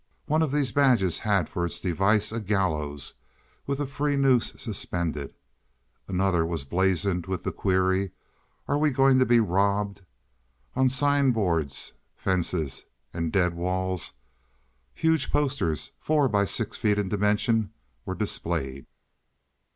One of these badges had for its device a gallows with a free noose suspended; another was blazoned with the query: "Are we going to be robbed?" On sign boards, fences, and dead walls huge posters, four by six feet in dimension, were displayed.